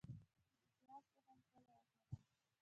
د پیاز تخم کله وکرم؟